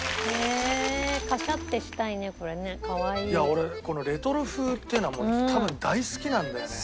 俺このレトロ風っていうのは多分大好きなんだよね。